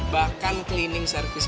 bahkan cleaning service